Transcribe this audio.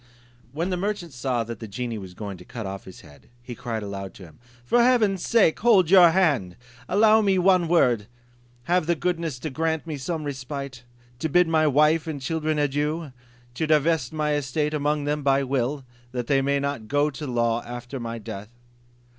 ] When the merchant saw that the genie was going to cut off his head, he cried out aloud to him, "For heaven's sake hold your hand! Allow me one word. Have the goodness to grant me some respite, to bid my wife and children adieu, and to divide my estate among them by will, that they may not go to law after my death.